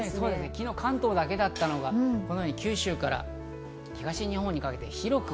昨日は関東だけだったのが、九州から東日本にかけて広く。